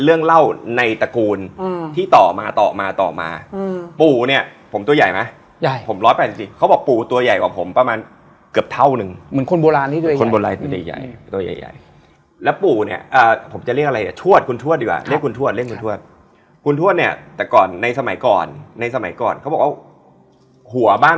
เราอยากรู้ว่าคุยอะไรกันวะใครวะ